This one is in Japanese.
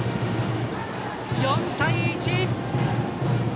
４対１。